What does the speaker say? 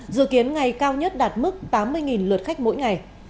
dự kiến ngày cao nhất đạt mức tám mươi lượt khách mỗi ngày